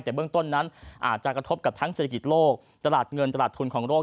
แต่เบื้องต้นนั้นอาจจะกระทบกับทั้งเศรษฐกิจโลกตลาดเงินตลาดทุนของโลก